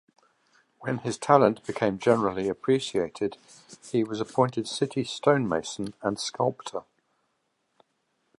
When his talent became generally appreciated he was appointed city stonemason and sculptor.